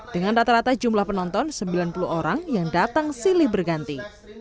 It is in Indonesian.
dengan rata rata jumlah penonton sembilan puluh orang yang datang silih berganti